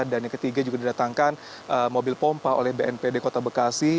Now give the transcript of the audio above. dan yang ketiga juga didatangkan mobil pompa oleh bnpb kota bekasi